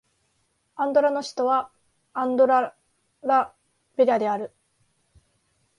アンドラの首都はアンドラ・ラ・ベリャである